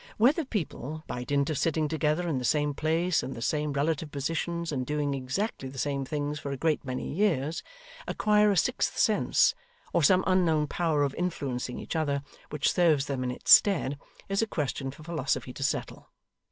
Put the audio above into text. Whether people, by dint of sitting together in the same place and the same relative positions, and doing exactly the same things for a great many years, acquire a sixth sense, or some unknown power of influencing each other which serves them in its stead, is a question for philosophy to settle.